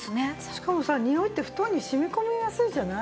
しかもさにおいって布団に染み込みやすいじゃない？